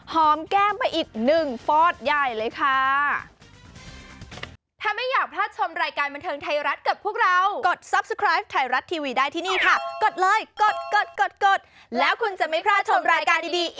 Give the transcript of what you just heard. หอมแก้มไปอีกหนึ่งฟอร์ตใหญ่เลยค่ะ